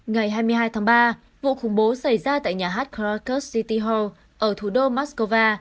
ngày hai mươi hai tháng ba vụ khủng bố xảy ra tại nhà hát kracus city hall ở thủ đô moscow